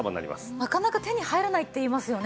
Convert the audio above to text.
なかなか手に入らないっていいますよね。